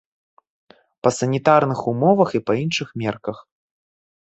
Па санітарных умовах і па іншых мерках.